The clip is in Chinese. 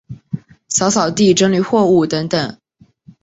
扫扫地、整理货物等等